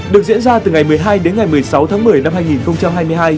được diễn ra từ ngày một mươi hai đến ngày một mươi sáu tháng một mươi năm hai nghìn hai mươi hai